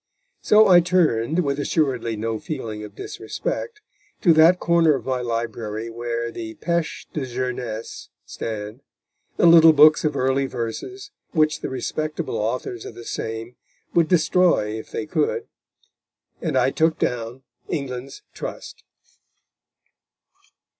So I turned, with assuredly no feeling of disrespect, to that corner of my library where the péchés de jeunesse stand the little books of early verses which the respectable authors of the same would destroy if they could and I took down England's Trust.